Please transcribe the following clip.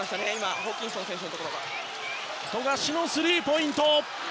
富樫のスリーポイント。